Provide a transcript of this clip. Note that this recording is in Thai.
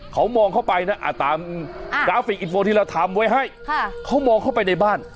เขามองเข้าไปนะตามกราฟิกอินโฟที่เราทำไว้ให้เขามองเข้าไปในบ้าน